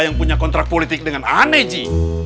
yang punya kontrak politik dengan ane ji